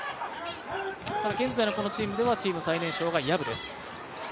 ただ現在の、このチームではチーム最年少は薮です。